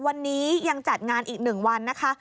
วันนี้ยังจัดงานอีก๑วันนะคะ